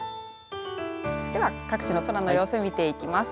では各地の空の様子見ていきます。